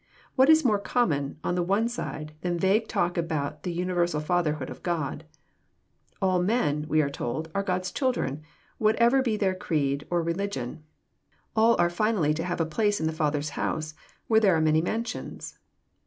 What more common, on one side, than vague talk about the universal Fatherhood of God ?" All men," we are told, " are God's children, whatever be their creed or re ligion ; all are finally to have a place in the Father's house^ " where there are many mansions."